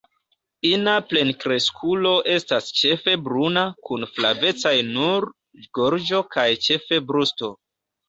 Ina plenkreskulo estas ĉefe bruna kun flavecaj nur gorĝo kaj ĉefe brusto.